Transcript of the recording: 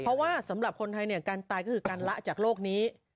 เพราะว่าสำหรับคนไทยเนี่ยการตายก็คือการละจากโลกนี้